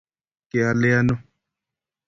kealee ano